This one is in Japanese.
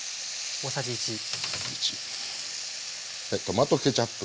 トマトケチャップ。